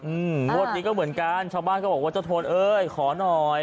งวดนี้ก็เหมือนกันชาวบ้านก็บอกว่าเจ้าโทนเอ้ยขอหน่อย